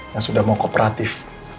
yang sudah mau kooperatif